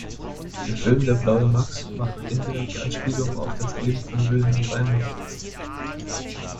Der Film Der blaue Max macht indirekt Anspielungen auf das Leben von Wilhelm Reinhard.